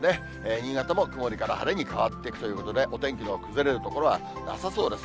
新潟も曇りから晴れに変わっていくということで、お天気の崩れる所はなさそうです。